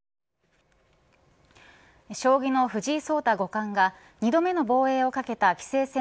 将棋の藤井聡太五冠が２度目の防衛をかけた棋聖戦